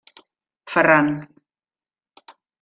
Ferran.